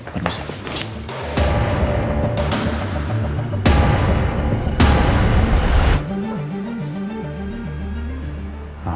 pergi ke sana